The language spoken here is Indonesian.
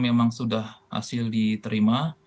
memang sudah hasil diterima